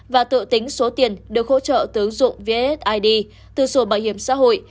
và tự tính số tiền được hỗ trợ tướng dụng vssid từ sổ bảo hiểm xã hội